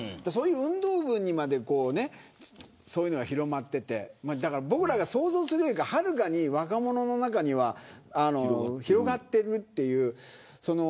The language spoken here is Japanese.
運動部にまでそういうものが広がっていて僕たちが想像するよりもはるかに若者の中には広がっているという。